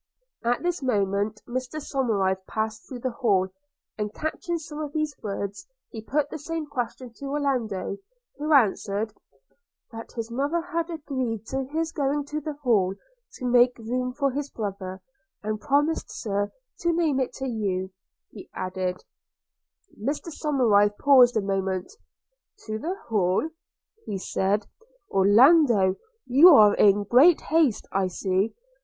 At this moment Mr Somerive passed through the hall, and, catching some of these words, he put the same question to Orlando; who answered, 'that his mother had agreed to his going to the Hall, to make room for his brother; and promised, Sir, to name it to you,' added he. Mr Somerive paused a moment – 'To the Hall,' said he, 'Orlando! You are in great haste, I see.